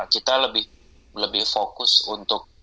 kita lebih fokus untuk